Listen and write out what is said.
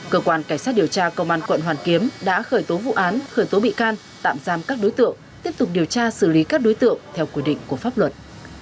cơ quan cảnh sát điều tra công an quận hoàn kiếm đã khởi tố vụ án khởi tố bị can tạm giam các đối tượng tiếp tục điều tra xử lý các đối tượng theo quy định của pháp luật